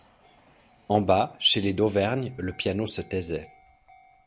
En bas, chez les Dauvergne, le piano se taisait.